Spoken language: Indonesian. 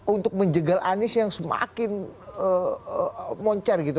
untuk menjegal anies yang semakin moncar gitu